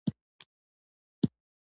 دمویه صفحات د وینې د بهېدو مخنیوی کوي.